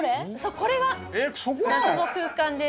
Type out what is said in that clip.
これが謎の空間です。